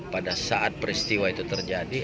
pada saat peristiwa itu terjadi